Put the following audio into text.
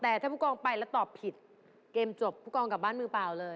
แต่ถ้าผู้กองไปแล้วตอบผิดเกมจบผู้กองกลับบ้านมือเปล่าเลย